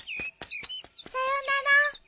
さよなら。